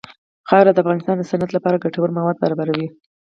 خاوره د افغانستان د صنعت لپاره ګټور مواد برابروي.